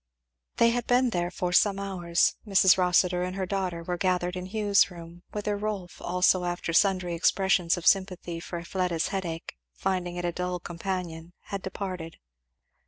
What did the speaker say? They had been there for some hours. Mrs. Rossitur and her daughter were gathered in Hugh's room; whither Rolf also after sundry expressions of sympathy for Fleda's headache, finding it a dull companion, had departed.